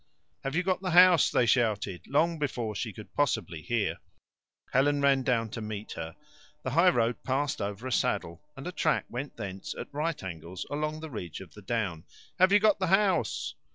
"Have you got the house?" they shouted, long before she could possibly hear. Helen ran down to meet her. The highroad passed over a saddle, and a track went thence at right angles along the ridge of the down. "Have you got the house?"